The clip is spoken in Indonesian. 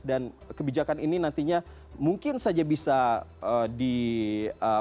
dan kebijakan ini nantinya mungkin saja bisa diperoleh